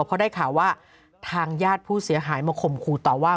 เพราะได้ข่าวว่าทางญาติผู้เสียหายมาข่มขู่ต่อว่า